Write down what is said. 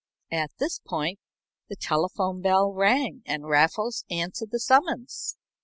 At this point the telephone bell rang and Raffles answered the summons.